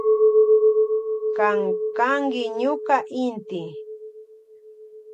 Kan kanki ñuka inti.